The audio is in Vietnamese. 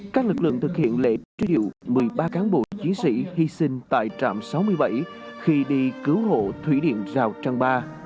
các lực lượng thực hiện lễ truy điệu một mươi ba cán bộ chiến sĩ hy sinh tại trạm sáu mươi bảy khi đi cứu hộ thủy điện rào trăng ba